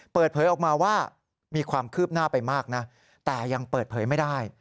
เปิดเผยออกมาว่ามีความคืบหน้าไปมากนะแต่ยังเปิดเผยไม่ได้